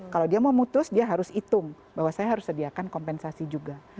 kalau dia mau mutus dia harus hitung bahwa saya harus sediakan kompensasi juga